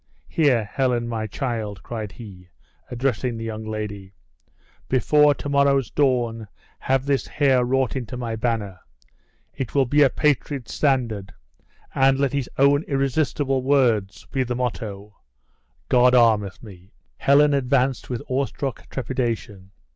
Here, Helen, my child," cried he, addressing the young lady, "before to morrow's dawn, have this hair wrought into my banner. It will be a patriot's standard; and let his own irresistible words be the motto God armeth me." Helen advanced with awestruck trepidation.